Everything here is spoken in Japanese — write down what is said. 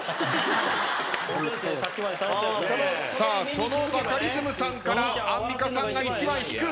そのバカリズムさんからアンミカさんが１枚引く。